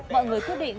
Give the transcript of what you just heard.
mọi người quyết định